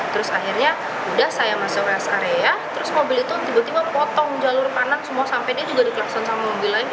terus akhirnya saya masuk ke area terus mobil itu tiba tiba potong jalur kanan sampai dia juga dikelakson sama mobil lain